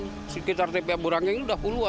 di sekitar tpa burangkeng ini sudah puluhan